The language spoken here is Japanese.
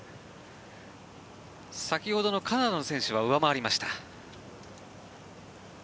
先ほどのカナダの選手は上回りました。